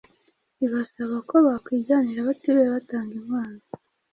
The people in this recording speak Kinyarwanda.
ibasaba ko bakwijyanira batiriwe batanga inkwano